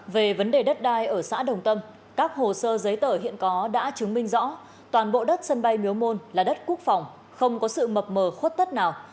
về vấn đề đất đai ở xã đồng tâm các hồ sơ giấy tờ hiện có đã chứng minh rõ toàn bộ đất sân bay miếu môn là đất quốc phòng không có sự mập mờ khuất tất nào